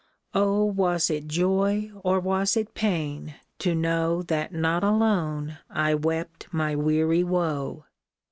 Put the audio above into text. Oh ! was it joy or was it pain to know That not alone I wept my weary woe